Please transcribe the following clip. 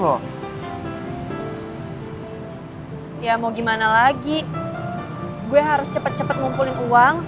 lagian juga kan gue harus cepet cepet sampai cafe kenangan